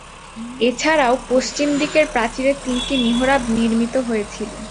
এছাড়াও, পশ্চিম দিকের প্রাচীরের তিনটি মিহরাব নির্মিত হয়েছিল।